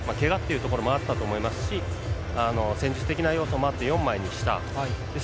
けがというところもあったと思いますし戦術的なところもあって４枚にした。